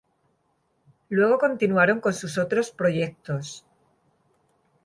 Luego continuaron con sus otros proyectos.